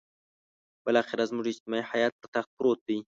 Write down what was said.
بالاخره زموږ اجتماعي حيات پر تخت پروت دی.